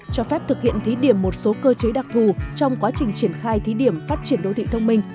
cho phép thực hiện thí điểm một số cơ chế đặc thù trong quá trình triển khai thí điểm phát triển đô thị thông minh